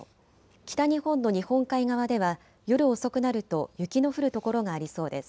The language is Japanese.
北日本の日本海側では夜遅くなると雪の降る所がありそうです。